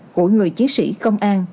của người chiến sĩ công an